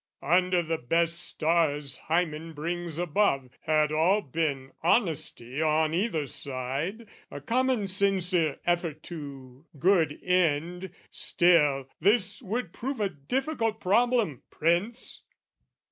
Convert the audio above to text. Under the best stars Hymen brings above, Had all been honesty on either side, A common sincere effort to good end, Still, this would prove a difficult problem, Prince!